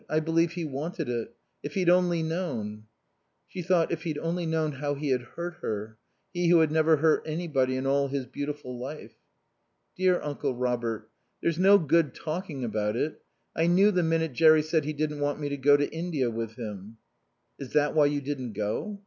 I believe he wanted it. If he'd only known!" She thought: If he'd only known how he had hurt her, he who had never hurt anybody in all his beautiful life. "Dear Uncle Robert. There's no good talking about it. I knew, the minute Jerry said he didn't want me to go to India with him." "Is that why you didn't go?"